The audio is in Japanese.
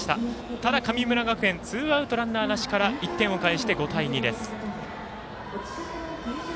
ただ、神村学園ツーアウト、ランナーなしから１点を返して、５対２です。